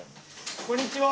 こんにちは。